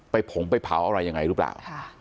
ผงไปเผาอะไรยังไงหรือเปล่า